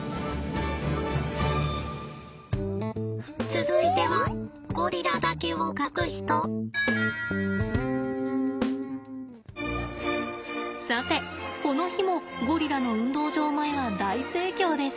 続いてはさてこの日もゴリラの運動場前は大盛況です。